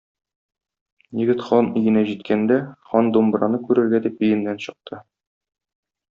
Егет хан өенә җиткәндә хан думбраны күрергә дип өеннән чыкты.